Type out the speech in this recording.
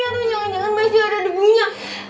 aduh jangan jangan baju ada debunya